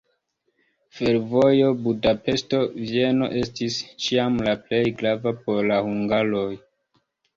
Fervojo Budapeŝto-Vieno estis ĉiam la plej grava por la hungaroj.